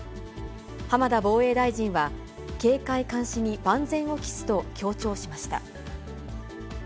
浜田防衛大臣は、警戒監視に万全を期すと強調しました。